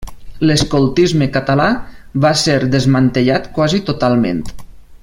L’escoltisme català va ser desmantellat quasi totalment.